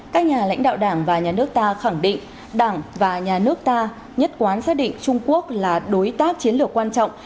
các nhà lãnh đạo đảng và nhà nước ta khẳng định đảng và nhà nước ta nhất quán xác định trung quốc là đối tác chiến lược quan trọng